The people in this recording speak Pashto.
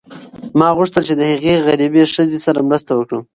ما غوښتل چې د هغې غریبې ښځې سره مرسته وکړم.